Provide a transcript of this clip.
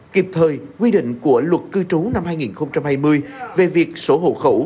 kịp thời quy định của luật cư trú năm hai nghìn hai mươi về việc sổ hộ khẩu